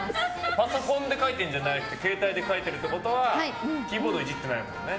パソコンで書いてるんじゃなくて携帯で書いてるってことはキーボードいじってないもんね。